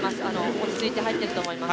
落ち着いて入ってると思います。